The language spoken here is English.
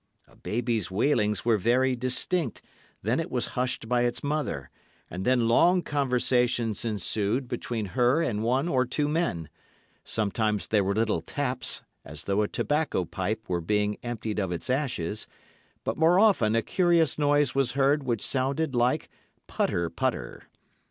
A baby's wailings were very distinct, then it was hushed by its mother, and then long conversations ensued between her and one or two men—sometimes there were little taps, as though a tobacco pipe were being emptied of its ashes, but more often a curious noise was heard which sounded like 'putter putter.